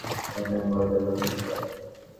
প্রথমে ভয়, তারপরে বিস্ময়।